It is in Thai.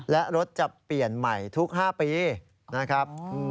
และรถจะเปลี่ยนใหม่ทุก๕ปีนะครับ